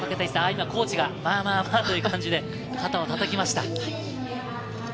今、コーチがまぁまぁという感じで肩を叩きました。